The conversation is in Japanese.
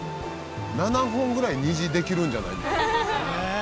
７本ぐらい虹できるんじゃない？